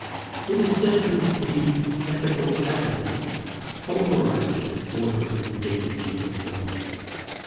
It is said to be ethical atomism, pulverizing the order and dignity of morals.